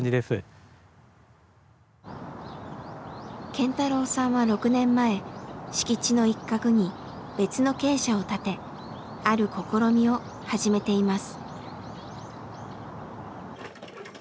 健太郎さんは６年前敷地の一角に別の鶏舎を建てある試みを始めています。